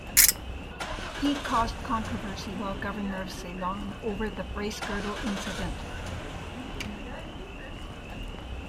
He caused controversy while Governor of Ceylon over the Bracegirdle Incident.